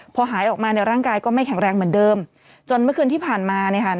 พอหายออกมาเนี่ยร่างกายก็ไม่แข็งแรงเหมือนเดิมจนเมื่อคืนที่ผ่านมาเนี่ยค่ะ